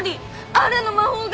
あるの魔法が。